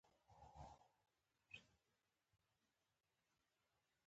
د روغتیا پوښتنه کوي.